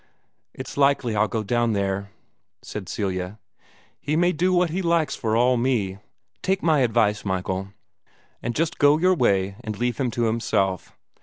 "It's likely I'll go down there!" said Celia. "He may do what he likes for all me! Take my advice, Michael, and just go your way, and leave him to himself.